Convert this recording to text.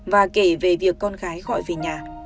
và kể về việc con gái gọi về nhà